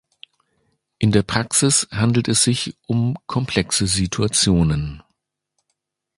In der Praxis handelt es sich um komplexe Situationen.